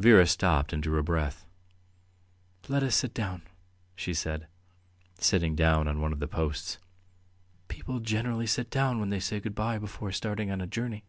Vera stopped and drew a breath. "Let us sit down," she said, sitting down on one of the posts. "People generally sit down when they say good bye before starting on a journey."